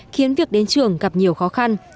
khiến việc đến trường gặp nhiều khó khăn